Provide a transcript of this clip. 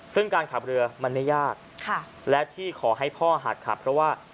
ซึ่งการขับเรือมันไม่ยากและที่ขอให้พ่อหักขับเพราะว่า